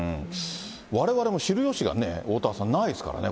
われわれも知るよしがね、おおたわさん、ないですからね。